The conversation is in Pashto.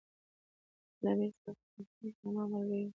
چې له امیر سره په سفر کې علما ملګري ول.